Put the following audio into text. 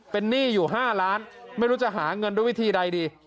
เป็นหนี้อยู่๕ล้านไม่รู้จะหาเงินด้วยวิธีใดดี